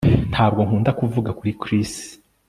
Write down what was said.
Ntabwo nkunda kuvuga kuri Chris